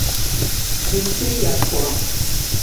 حصهای از خوراک